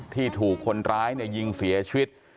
ที่ถูกคนร้ายยิงเสียชีวิต